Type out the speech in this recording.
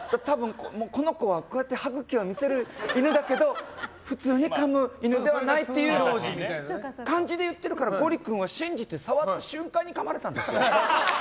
この子は歯茎を見せる犬だけど普通にかむ犬ではないっていう感じで言ってるからゴリ君は信じて触った瞬間にかまれたんだって。